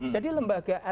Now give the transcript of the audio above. tapi belum melaksanakan itu